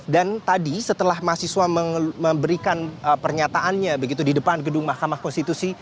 dan tadi setelah mahasiswa memberikan pernyataannya begitu di depan gedung mahkamah konstitusi